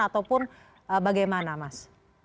ataupun bagaimana mas